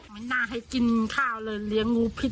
นี่หนูไปกับข้าวนู่นไง